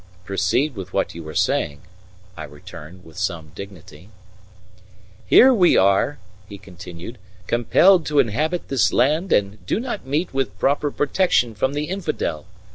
"Proceed with what you were saying," I returned, with some dignity. "Here we are," he continued, "compelled to inhabit this land and do not meet with proper protection from the infidel.